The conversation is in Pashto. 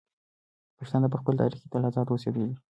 پښتانه په خپل تاریخ کې تل ازاد اوسېدلي دي.